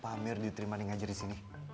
beneran pak amir diterima nih ngajar di sini